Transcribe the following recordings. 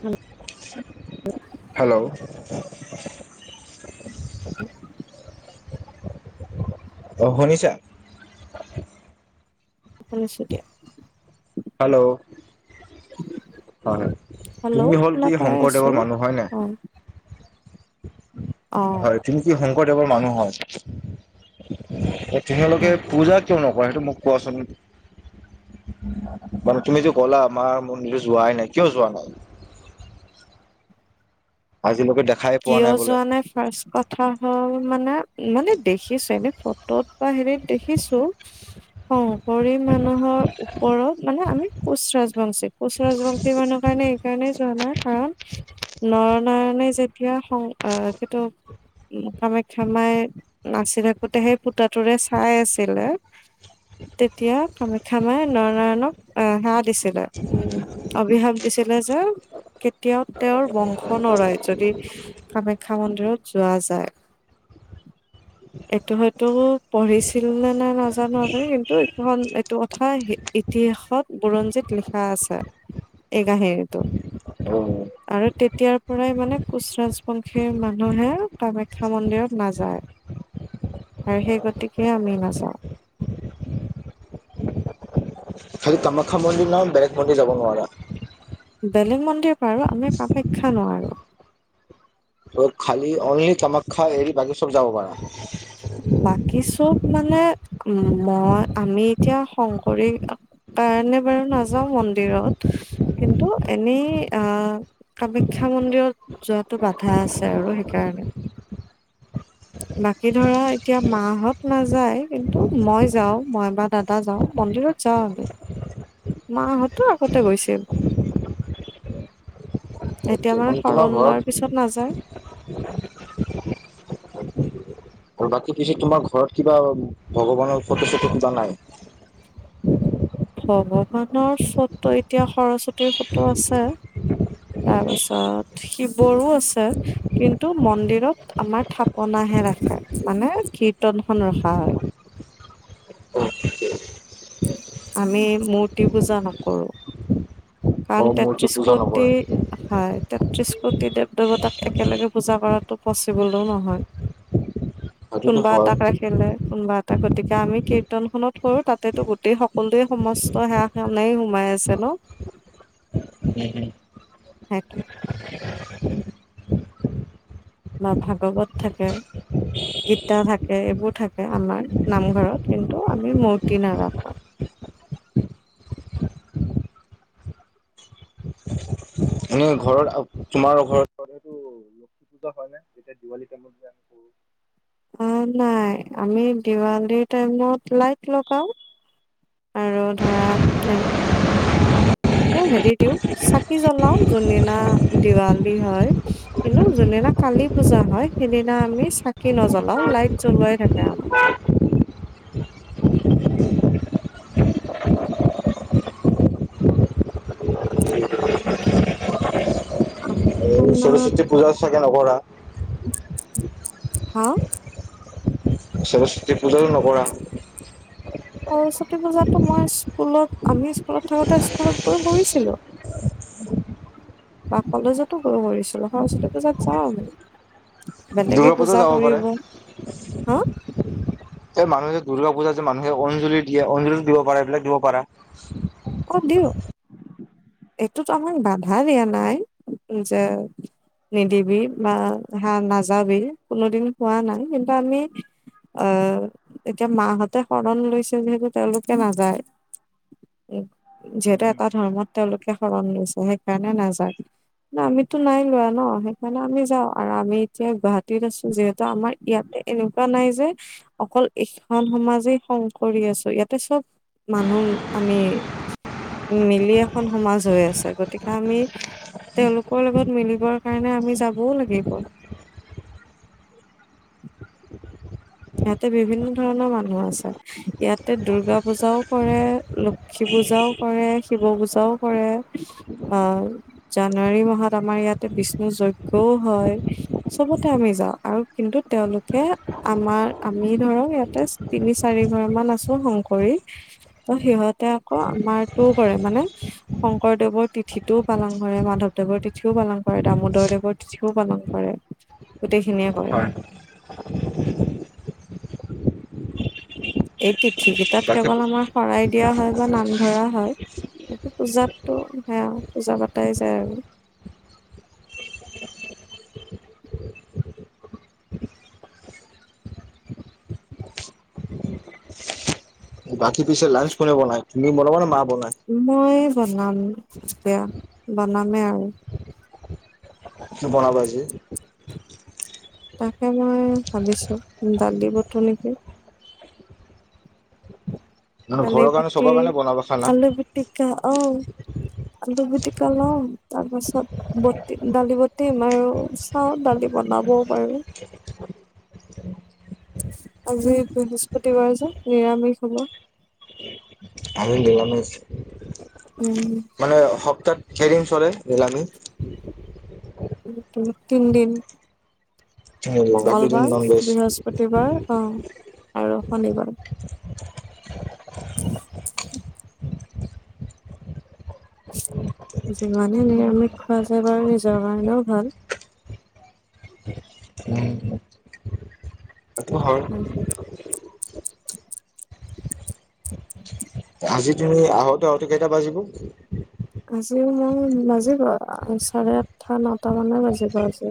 Hello [inaudible] hello, [inaudible] অহ, শুনিছা? শুনিছোঁ এতিয়া। হেল্ল', [inaudible] হয়- হয় হেল্ল' তুমি হ'ল শুনা কি পাই আছো শংকৰদেৱৰ মানুহ হয় অ নাই? অ হয়, তুমি কি শংকৰদেৱৰ মানুহ হয়? তোমালোকে উম। পূজা কিয় নকৰে সেইটো মোক কোৱাচোন? মানে, তুমিতো কলা আমাৰ মন্দিৰ যোৱাই নাই, কিয় যোৱা নাই? [inaudible] আজিলৈকে দেখাই পোৱা কিয় বোলে যোৱা নাই ফাৰ্ষ্ট কথা হল মানে- মানে দেখিছো এনে ফটোত বা হেৰিত দেখিছো। শংকৰী মানুহৰ ওপৰত মানে আমি কোচ ৰাজ বংশী কোচৰাজবংশী মানুহ কাৰণে এইকাৰণেই যোৱা নাই কাৰণ নৰ নাৰায়ণে যে এতিয়া সং আহ কিটু কামাখ্যা মাই নাচি থাকোতে সেই ফুটাটোৰে চাই আছিলে তেতিয়া কামাখ্যাামাই নৰনাৰায়ণক আহ সেয়া দিছিলে, উম অবিশাপ দিছিলে ছিলে যে কেতিয়াও তেওঁৰ বংশ নৰয়। যদি কামাখ্যা মন্দিৰত যোৱা যায়। । [inaudible] এইটো হয়তো পঢ়িছিল নে -নে নাজানো কিন্তু, এইখন এইটো কথা ইতিহাসত বুৰঞ্জীত লিখা আছে, এই কাহিনীটো। অ আৰু তেতিয়াৰ পৰাই মানে কোচ-ৰাজবংশীৰ মানুহে কামাখ্যা মন্দিৰত নাযায়। আৰু সেই গতিকে আমি নাযাওঁ। [inaudible] খালি কামাখ্যা মন্দিৰ না বেলেগ মন্দিৰ যাব নোৱাৰা? বেলেগ মন্দিৰ পাৰো আমি কামাখ্যা নোৱাৰো। ত' খালি অনলি কামাখ্যা এৰি বাকী চব যাব পাৰা। বাকী চব মানে উম, মই আমি এতিয়া শংকৰী কাৰণে বাৰু নাযাওঁ মন্দিৰত কিন্তু, এনেই আহ কামাখ্যা মন্দিৰত যোৱাটো বাধা আছে আৰু। আৰু সেইকাৰণে [inaudible] বাক বাকি ধৰা এতিয়া মাহত নাযায় কিন্তু, মই যাওঁ মই বা দাদা যাওঁ মন্দিৰত যাওঁ। বাবে মাহঁতো আগতে গৈছিল। আতা এতিয়া মানে তোমাৰ শৰণ ঘৰত লোৱাৰ পিছত নাযায়। আৰু বাকী পিছত তোমাৰ ঘৰত কিবা ভগৱানৰ ফটো-চটো পূজা নাই? [inaudible] ভগৱানৰ ফটো এতিয়া সৰস্বতীৰ ফটো আছে। তাৰপাছত শিৱৰো আছে। কিন্তু, মন্দিৰত আমাৰ থাপন হে ৰাখে। মানে কীৰ্তনখন ৰখা হয়। আমি মূৰ্তি পূজা নকৰো। অ কাৰণ মূৰ্তি তেত্ৰিশ পূজা নকৰে কোটি হয়, তেত্ৰিশ কোটি দেৱ দেৱত তাক একেলগে পূজা কৰাটো পচিবলও নহয়। সেইটোতো কোনোবা হয় এটাক ৰাখিলে কোনোবা এটা গতিকে আমি কীৰ্তনখননত কৰো তাতে গোটেই সকলোৱে সমস্ত সেৱা সেনাই সোমাই আছে ন। উম, উম। সেইটো। বা ভাগৱত থাকে গীতা থাকে এইবোৰ থাকে আমাৰ নামঘৰত কিন্তু আমি মূৰ্তি নাৰাখো এনেই ঘৰত তোমাৰ ঘৰতো লক্ষ্মী পুজা হয় নে যেতিয়া দেৱালী টাইমত যে আমি কৰো অ নাই আমি দেৱালীৰ টাইমত লাইট লগাওঁ আৰু ধৰা এনে আকৌ হেৰি দিওঁ চাকি জ্বলাওঁ যোনদিনা দিৱালী হয় কিন্তু যোনদিনা কালী পূজা হয় সিদিনা আমি চাকি নজ্বলাওঁ লাইট জ্বলোৱাই থাকে আমাৰ [unintelligible] অ সৰস্বতী পূজা চাগে নকৰা হা সৰস্বতী পূজাও নকৰা সৰস্বতী পূজাতো মই স্কুলত আমি স্কুলত থাকোতে স্কুলত গৈ কৰিছিলোঁ [unintelligible] বা কলেজতো গৈ কৰিছিলো সৰস্বতী পূজাত যাওঁ বেলেগে দুৰ্গা পূজা যাব পাৰে। কৰিব হা এই মানুহে যে দুৰ্গা পূজা যে মানুহে অঞ্জলি দিয়ে অঞ্জলি দিব পাৰা এইবিলাক দিব পাৰা অ দিওঁ এইটোতো আমাক বাধা দিয়া নাই নিজে [unintelligible] নিদিবি বা হা নাযাবি কোনোদিন হোৱা নাই কিন্তু আমি আহ এতিয়া মাহঁতে হৰণ লৈছে যিহেতু তেওঁলোকে নাযায় যিহেতু এটা ধৰ্মত তেওঁলোকে হৰণ লৈছে সেইকাৰণে নাযায় ন আমিতো নাই লোৱা ন সেইকাৰণে আমি যাওঁ আৰু আমি এতিয়া গুৱাহাটীত আছো যিহেতু আমাৰ ইয়াতে এনেকুৱা নাই যে অকল এইখন সমাজে শং কৰি আছো ইয়াতে চব মানুহ আমি [unintelligible] উ মিলি এখন সমাজ হৈ আছে গতিকে আমি তেওঁলোকৰ লগত মিলিবৰ কাৰণে আমি যাবও লাগিব [unintelligible] ইয়াতে বিভিন্ন ধৰণৰ মানুহ আছে ইয়াতে দূৰ্গা পূজাও কৰে লক্ষ্মী পূজাও কৰে শিৱ পূজাও কৰে অ জানুৱাৰী মাহত আমাৰ ইয়াতে বিষ্ণু যজ্ঞও হয় চবতে আমি যাওঁ আৰু কিন্তু তেওঁলোকে আমাৰ আমি ধৰক ইয়াতে তিনি চাৰি ঘৰ মান আছো শংকৰী ত সিহঁতে আকৌ আমাৰটোও কৰে মানে শংকৰদেৱৰ তিথিটোও পালন কৰে মাধৱদেৱৰ তিথিও পালন কৰে দামোদৰদেৱৰ তিথিও পালন কৰে গোটেইখিনিয়ে কৰে হয় এই তিথি কেইটাত বাকী কেৱল আমাৰ শৰাই দিয়া হয় বা নাম ধৰা হয় পূজাতো সেয়া পূজা পতাই যায় আৰু [unintelligible] বাকী পিছে লাঞ্চ কোনে বনাই তুমি বনাবানে মা বনাই মই বনাম এতিয়া বনামেই আৰু কি বনাবা আজি তাকে মই ভাবিছোঁ দালি বোতো নিও নে মানে দালি ঘৰৰ কাৰণে সতি চবৰ কাৰণে বনাবা খানা আলু পিটিকা আহ আলু টিকা লম তাৰ পাছত বটিম দালি বটিম আৰু চাওঁ দালি বনাবও পাৰোঁ [unintelligible] আজি বৃহস্পতিবাৰ যে নিৰামিষ হব আমি নিৰামিষ, মানে সপ্তাহত কেইদিন চলে নিৰামিষ তিনি দিন নিৰামিষ বাকী দিন মংগলবাৰ নন ভেজ। বৃহস্পতিবাৰ আহ আৰু শনিবাৰ [unintelligible] উ যিমানে নিৰামিষ খোৱা যায় বাৰু নিজৰ কাৰণেও ভাল আটো হয় [unintelligible] আজি তুমি আহোতে আহোতে কেইটা বাজিব আজিও মই বাজিব চাৰে আঠটা নটা মানে বাজিব আজি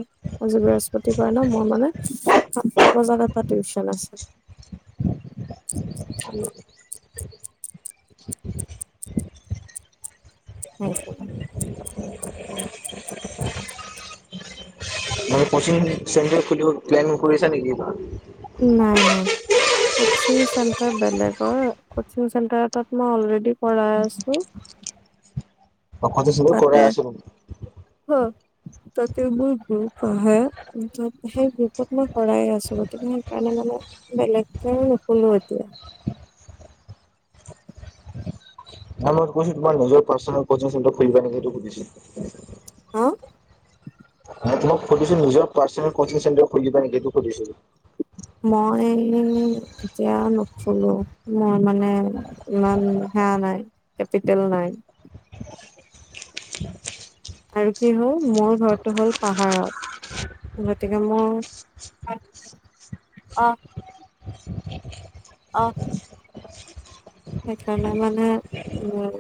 আজি বৃহস্পতি ৰাপাই ন মোৰ মানে সাতটা বজাত এটা টিউচন আছে উম [inaudible] কচি চেণ্টাৰ খিব প্লেন কৰিছা নেকি? নাই নাই কচিং চেণ্টাৰ বেলেগৰ কচিং চেণ্টাৰ এটাত মই অলৰেডি পঢ়াই আছো বা কতিছিল কৰে তাতে আছিল [inaudible] তবোৰ গ্ৰুপ আহে সেই গ্ৰুপত মই শৰাই আছো গতিকে সেইকাৰণে মানে- বেলেকে ফল তয়া ন মই কৈছো তোমাৰ নিজৰ পাৰ্চাৰ খা নেকি সটো সুধিছো হা ন তমাক সুধছ নিজৰ পাৰ চোৰ খিবা নে সো মই এতিয়া নুখোলো মই মানে ম ইমান হে নাই কেপিটেল নাই [unintelligible] আৰু কি হ'ল মোৰ ঘৰটো হ'ল পাহাৰত গতিকে মোৰ অ আহ সেইকাৰণে মানে উম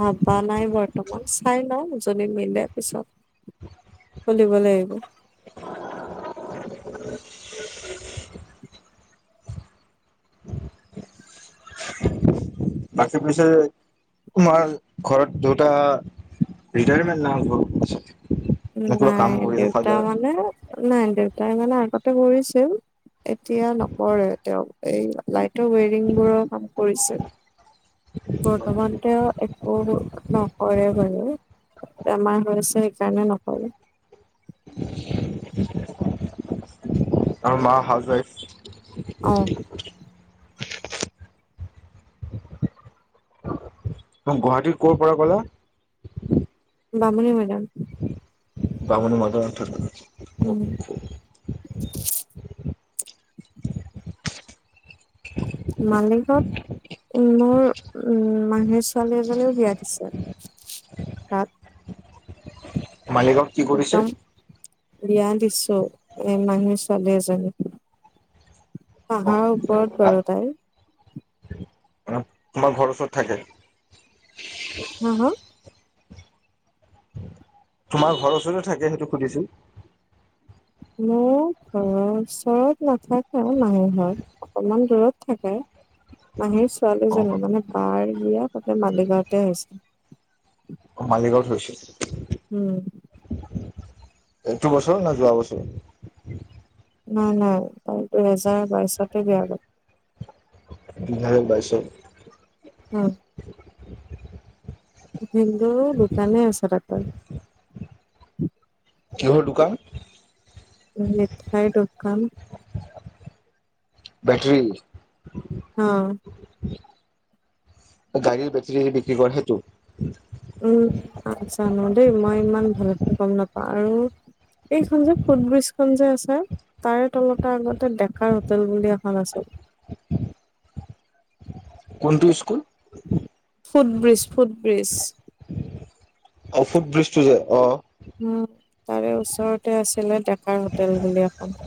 ভবা নাই বৰ্তমান চাই ল যদি মিলে পিছত চলিব লাগিব। [unintelligible] বাকী পিছে তোমাৰ ঘৰত দুটা ৰিটাৰমেণ্ট নক নাই দেউতা মানে নাই দেউতাই মানে আগতে কৰিছিল এতিয়া নকৰে তেওঁ এই লাইটৰ ৱেৰিংবোৰৰ কাম কৰিছে। বৰ্তমানতে এক [inaudible] ন পৰে কৰে বেমাৰ হৈছে সেইকাৰণে নকৰে। [unintelligible] আৰু মা হাউচ ৱাইফ। অ [unintelligible] গুৱাহাটীত ক'ৰ পৰা ক'লা? বামুণী মৈদাম। বামুণী মৈদামত থাকা? [unintelligible] উম মালিগাঁৱত মোৰ উম মাহিৰ ছোৱালী এজনীও বিয়া দিছে। [inaudible] মালিগাঁওত কি কৰিছে? একদম বিয়া দিছো এ মহীৰ ছোৱালী এজনী। অ পাহাৰৰ ওপৰত বাৰু তাই। তোমাৰ ঘৰওচৰত থাকে? হা হা? তোমাৰ ঘৰৰ ওচৰতে থাকে সেইটো সুধিছো? মোৰ ঘৰৰ ওচৰত নাথাকে, মহী ঘৰ অকমান দূৰত থাকে। মাহীৰ অ ছোৱালীজনী মানে বাৰ বিয়া তাতে মালিগাঁৱতে হৈছে। মালিগাঁৱত গৈছিল। উম। এইটো বছৰ না যোৱা বছৰ? নাই নাই তাই দুহেজাৰ বাইশতে বিয়া হল। দুহেজাৰ বাইছত? উম। ভিন্দুৰ দোকানে আছে [inaudible] কিহৰ দোকান? মিঠাই দোকান। বেটৰি? অ। গাড়ীৰ বেটাৰী বিক্ৰী কৰে হেইতটো? উম নাজানো দেই মই ইমান ভালো গম নাপাওঁ আৰু এইখনন যে ফুট ব্ৰীজ খন যে আছে। তাৰে তলতাৰ আগতে ডেকাৰ হোটেল বুলি এখন আছিল। কোনটো স্কুল? Footbridge footbridge. অঁ ফুটব্ৰিজটো যে অঁ। উ তাৰে ওচৰতে আছিলে ডেকাৰ হোটেল বুলি এখন।